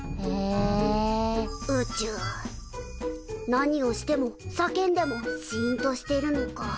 何をしてもさけんでもシーンとしてるのか。